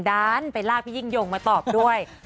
ด้านไปลากพี่ยิ่งยงมาตอบด้วย